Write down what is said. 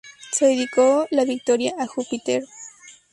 Se dedicó la victoria a Júpiter.